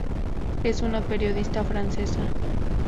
Es una periodista francesa.